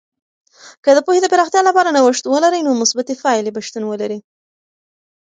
که د پوهې د پراختیا لپاره نوښت ولرئ، نو مثبتې پایلې به شتون ولري.